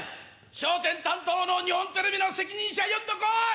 『笑点』担当の日本テレビの責任者呼んで来い！